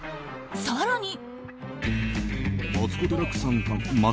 更に。